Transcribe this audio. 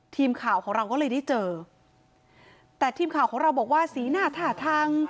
ทีมข่าวของเราก็เลยได้เจอแต่ทีมข่าวของเราบอกว่าสีหน้าท่าทาง